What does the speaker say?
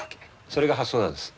それが発想なんです。